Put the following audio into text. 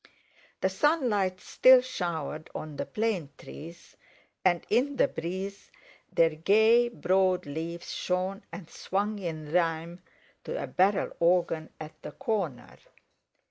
The sunlight still showered on the plane trees, and in the breeze their gay broad leaves shone and swung in rhyme to a barrel organ at the corner.